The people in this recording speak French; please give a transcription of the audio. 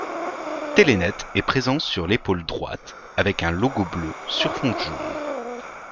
Telenet est présent sur l'épaule droite, avec un logo bleu sur fond jaune.